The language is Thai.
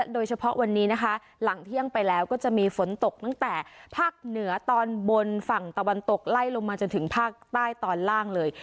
โดยเฉพาะวันนี้นะคะหลังเที่ยงไปแล้วก็จะมีฝนตกตั้งแต่ภาคเหนือตอนบนฝั่งตะวันตกไล่ลงมาจนถึงภาคใต้ตอนล่างเลย